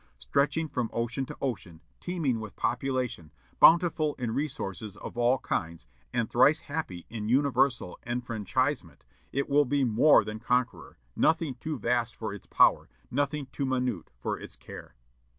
"Stretching from ocean to ocean, teeming with population, bountiful in resources of all kinds, and thrice happy in universal enfranchisement, it will be more than conqueror, nothing too vast for its power, nothing too minute for its care."